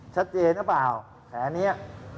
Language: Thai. ชัดเจ๊นะป่าวแขนนี้